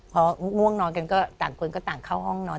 พอง่วงนอนกันก็ต่างคนก็ต่างเข้าห้องนอน